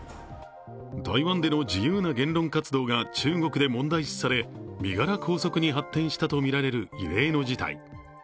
台湾での自由な言論活動が中国で問題視され身柄拘束に発展したとみられる異例の事態。